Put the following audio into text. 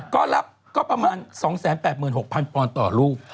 ก็รับก็ประมาณ๒๘๖๐๐ปอนด์ต่อลูก